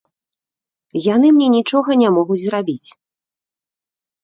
Яны мне нічога не могуць зрабіць.